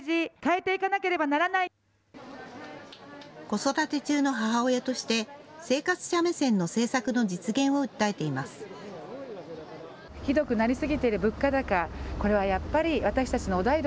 子育て中の母親として生活者目線の政策の実現を訴えています。